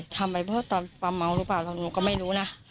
ทำไปเพราะตอนความเมาหรือเปล่าหนูก็ไม่รู้นะ